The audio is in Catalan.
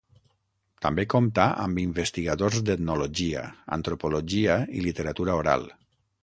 També compta amb investigadors d'etnologia, antropologia i literatura oral.